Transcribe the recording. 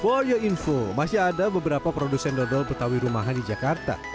for your info masih ada beberapa produsen dodol betawi rumahan di jakarta